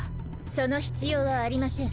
その必要はありません。